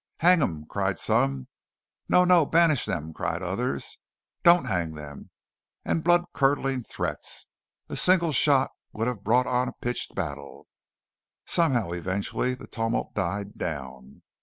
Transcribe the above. "Hang 'em!" cried some. "No, no, banish them!" cried others. "Don't hang them!" and blood curdling threats. A single shot would have brought on a pitched battle. Somehow eventually the tumult died down.